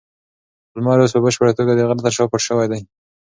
لمر اوس په بشپړه توګه د غره تر شا پټ شوی دی.